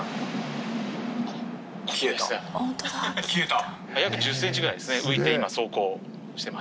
消えた。